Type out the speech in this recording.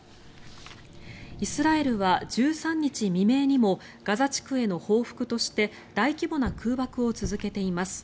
イスラエルは１３日未明にもガザ地区への報復として大規模な空爆を続けています。